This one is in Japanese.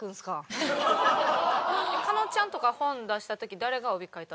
加納ちゃんとか本出した時誰が帯書いたとかある？